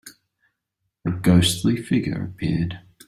A ghostly figure appeared.